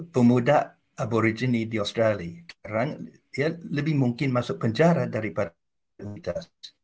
pemuda aborigine di australia sekarang lebih mungkin masuk penjara daripada universitas